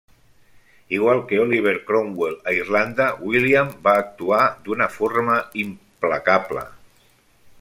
Igual que Oliver Cromwell a Irlanda, William va actuar d'una forma implacable.